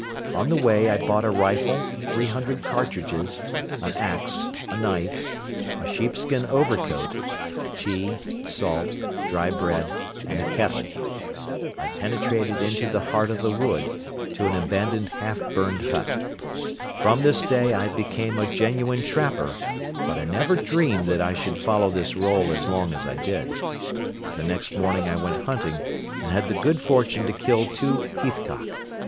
On the way I bought a rifle, three hundred cartridges, an ax, a knife, a sheepskin overcoat, tea, salt, dry bread and a kettle. I penetrated into the heart of the wood to an abandoned half burned hut. From this day I became a genuine trapper but I never dreamed that I should follow this role as long as I did. The next morning I went hunting and had the good fortune to kill two heathcock.